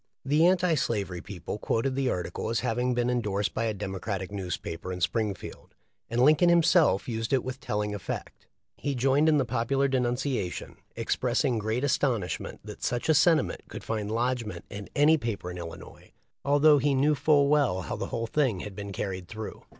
The anti slavery people quoted the article as hav ing been endorsed by a Demoratic newspaper in Springfield, and Linoln himself used it with telling effect. He joined in the popular denunciation. | expressing great astonishment that such a senti ment could find lodgment in any paper in Illinois, THE LIFE OF LINCOLN. 37 j_ although he knew full well how the whole thing had been carried through.